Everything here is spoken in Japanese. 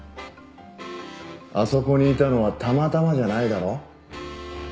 あそこにいたのはたまたまじゃないだろ？